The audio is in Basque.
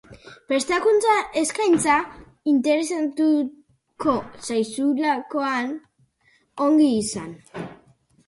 Prestakuntza-eskaintza interesatuko zaizulakoan, ongi izan.